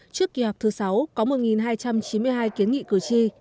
trước kỳ họp thứ sáu có một hai trăm chín mươi hai kiến nghị cử tri